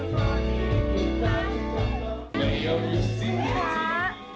ไม่เอาอยู่สิ่งในจริง